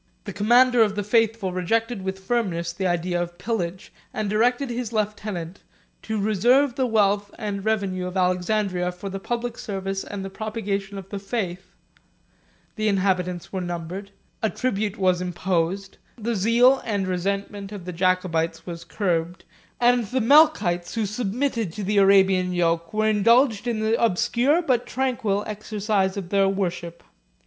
113 The commander of the faithful rejected with firmness the idea of pillage, and directed his lieutenant to reserve the wealth and revenue of Alexandria for the public service and the propagation of the faith: the inhabitants were numbered; a tribute was imposed, the zeal and resentment of the Jacobites were curbed, and the Melchites who submitted to the Arabian yoke were indulged in the obscure but tranquil exercise of their worship.